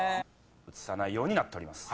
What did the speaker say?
映さないようになっております。